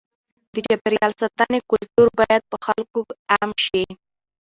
د چاپېریال ساتنې کلتور باید په خلکو کې عام شي.